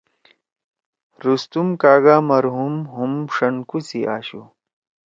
رستم کاگا مرحوم ہُم ݜنکو سی آشُو۔